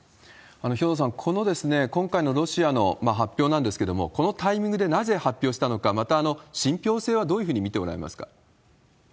兵頭さん、この今回のロシアの発表なんですけれども、このタイミングでなぜ発表したのか、また信ぴょう性はどういうふうに見ておられますか？